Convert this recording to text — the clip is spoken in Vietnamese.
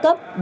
các cấp đã